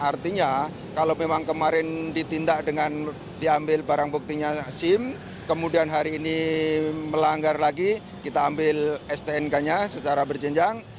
artinya kalau memang kemarin ditindak dengan diambil barang buktinya sim kemudian hari ini melanggar lagi kita ambil stnk nya secara berjenjang